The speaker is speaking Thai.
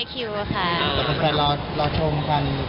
แล้วก็แฟนเราชมคัน